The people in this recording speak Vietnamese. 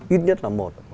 ít nhất là một